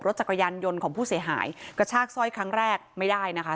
จักรยานยนต์ของผู้เสียหายกระชากสร้อยครั้งแรกไม่ได้นะคะ